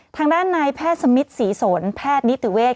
ทางด้านในแพทย์สมิทร์ศรีศลแพทย์นิตุเวทย์